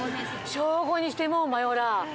小５にしてもうマヨラー。